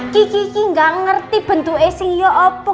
kiki kiki gak ngerti bentuk esingnya apa